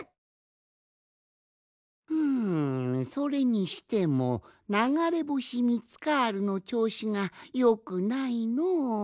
ふんそれにしてもながれぼしミツカールのちょうしがよくないのう。